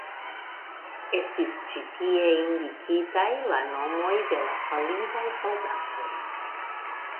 Estas ĉi tie indikitaj la nomoj de la falintaj soldatoj.